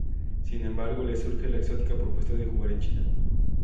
Sin embargo, le surge la exótica propuesta de jugar en China.